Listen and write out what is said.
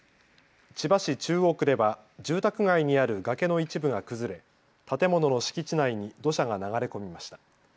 千葉市中央区では住宅街にある崖の一部が崩れ建物の敷地内に土砂が流れ込みました。